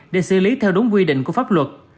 để xử lý theo đúng quy định của pháp luật